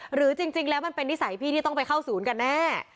หรือจริงแล้วมันเป็นนิสัยพี่ที่ต้องไปเข้าศูนย์กันแน่